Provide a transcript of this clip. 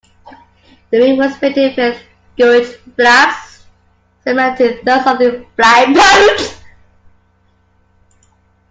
The wing was fitted with Gouge flaps similar to those of the flying boats.